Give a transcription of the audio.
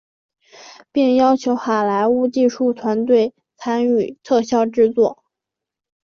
并邀请好莱坞技术团队参与特效制作。